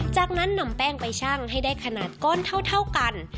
จากนั้นนำแป้งไปชั่งให้ได้ขนาดก้อนเท่ากัน